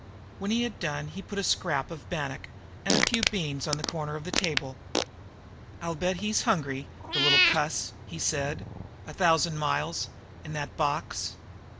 When he had done he put a scrap of bannock and a few beans on the corner of the table. "I'll bet he's hungry, the little cuss," he said. "A thousand miles in that box!"